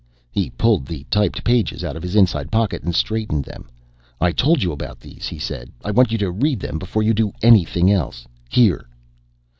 He pulled the typed pages out of his inside pocket and straightened them. "I told you about these," he said. "I want you to read them before you do anything else. Here."